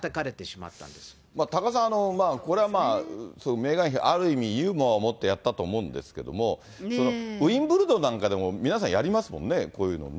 多賀さん、これはメーガン妃、ある意味、ユーモアを持ってやったと思うんですけれども、ウインブルドンなんかでも皆さん、やりますもんね、こういうのね。